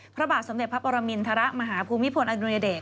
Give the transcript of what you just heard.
พระบาทสมเด็จพระปรมินทรมาฮภูมิพลอดุญเดช